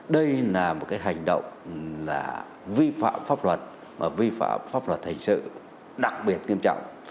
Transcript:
đây là một cái hành động là vi phạm pháp luật và vi phạm pháp luật thành sự đặc biệt nghiêm trọng